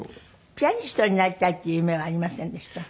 ピアニストになりたいっていう夢はありませんでした？